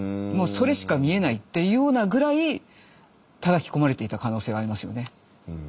もうそれしか見えないっていうようなぐらいたたき込まれていた可能性はありますよね。